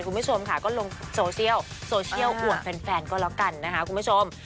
คุณผู้ชมค่ะก็ลงโซเชียลอ่ว่าแฟนก็แลกกันนะฮะคุณผู้ชม